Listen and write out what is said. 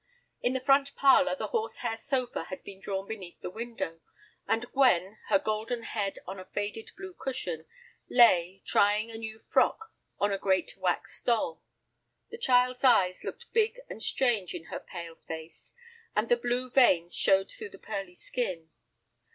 In the front parlor the horse hair sofa had been drawn beneath the window, and Gwen, her golden head on a faded blue cushion, lay, trying a new frock on a great wax doll. The child's eyes looked big and strange in her pale face, and the blue veins showed through the pearly skin.